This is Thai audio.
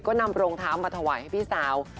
ก็นำรองเท้ามาถวายให้พี่สาว